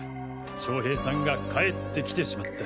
将平さんが帰ってきてしまった。